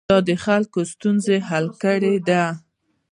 دا د خلکو ستونزو حل کې ده.